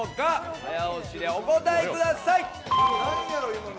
早押しでお答えください。